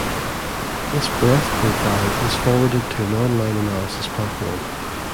This ‘breath profile’ is forwarded to an online analysis platform.